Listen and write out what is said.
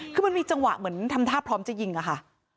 คือมันมีจังหวะเหมือนทำท่าพร้อมจะยิงอะค่ะ